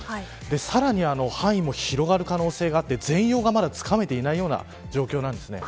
さらに範囲も広がる可能性があって全容がまだつかめていないような状況なんですね。